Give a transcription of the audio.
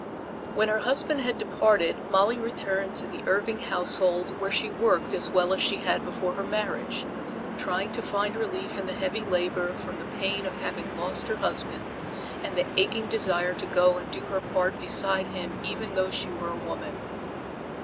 When her husband had departed Molly returned to the Irving household where she worked as well as she had before her marriage, trying to find relief in the heavy labor from the pain of having lost her husband and the aching desire to go and do her part beside him even though she were a woman.